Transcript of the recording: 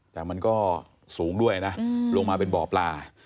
แต่มันก็สูงด้วยนะลงมาเป็นบ่อปลา